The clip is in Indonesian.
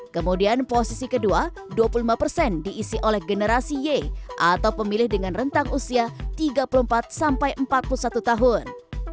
kemudian posisi kedua dua puluh lima persen diisi oleh generasi y atau pemilih dengan rentang usia tiga puluh empat sampai empat puluh satu tahun